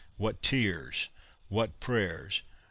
What tears, what prayers!